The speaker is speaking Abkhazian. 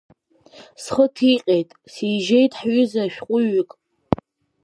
Схы ҭиҟьеит, сижьеит ҳҩыза шәҟәыҩҩык.